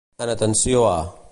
En atenció a.